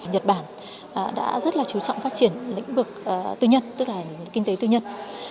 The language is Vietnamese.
nhật bản đã rất là chú trọng phát triển lĩnh vực tư nhân tức là kinh tế tư nhân